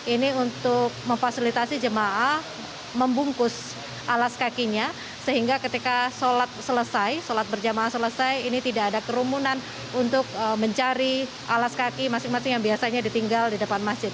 ini untuk memfasilitasi jemaah membungkus alas kakinya sehingga ketika sholat selesai sholat berjamaah selesai ini tidak ada kerumunan untuk mencari alas kaki masing masing yang biasanya ditinggal di depan masjid